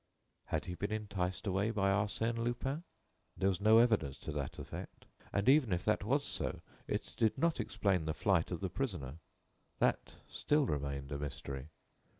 Had he been enticed away by Arsène Lupin? There was no evidence to that effect. And even if that was so, it did not explain the flight of the prisoner. That still remained a mystery.